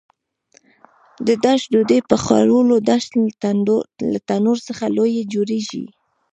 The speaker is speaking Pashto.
د داش ډوډۍ پخولو داش له تنور څخه لوی جوړېږي.